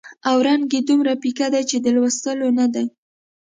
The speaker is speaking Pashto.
او رنګ یې دومره پیکه دی چې د لوستلو نه دی.